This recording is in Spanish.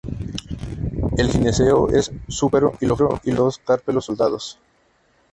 El gineceo es súpero y lo forman dos carpelos soldados.